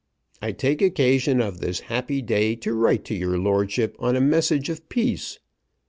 I take occasion of this happy day to write to your lordship on a message of peace.